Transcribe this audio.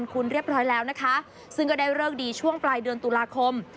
คุณเรียบร้อยแล้วนะคะซึ่งก็ได้เลิกดีช่วงปลายเดือนตุลาคม